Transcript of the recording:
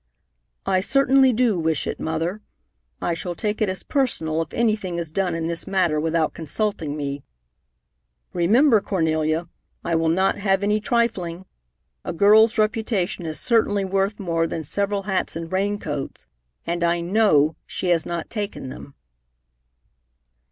"I certainly do wish it, Mother. I shall take it as personal if anything is done in this matter without consulting me. Remember, Cornelia, I will not have any trifling. A girl's reputation is certainly worth more than several hats and rain coats, and I know she has not taken them."